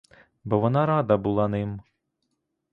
Бо вона рада була ним.